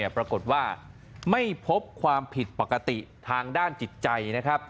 ปรากฏว่าไม่พบความผิดปกติทางด้านจิตใจนะครับ